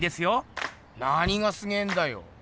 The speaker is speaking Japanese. なにがすげえんだよ？